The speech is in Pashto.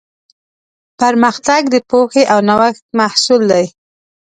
پرمختګ د پوهې او نوښت محصول دی.